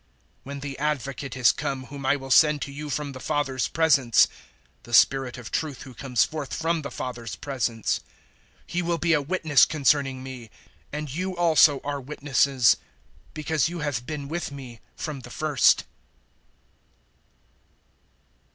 015:026 "When the Advocate is come whom I will send to you from the Father's presence the Spirit of Truth who comes forth from the Father's presence He will be a witness concerning me. 015:027 And you also are witnesses, because you have been with me from the first.